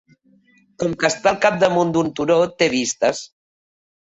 Com que està al capdamunt d'un turó, té vistes.